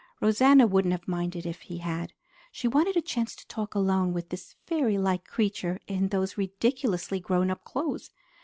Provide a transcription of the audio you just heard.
Rosanna wouldn't have minded if he had. She wanted a chance to talk alone with this fairy like creature in those ridiculously grown up clothes.